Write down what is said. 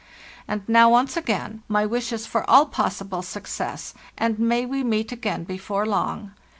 And now once again, my wishes for all possible success, and may we meet again before long.